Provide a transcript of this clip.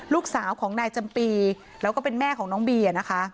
ลูกสาวของนายจำปีแล้วก็เป็นแม่ของน้องบีนะคะ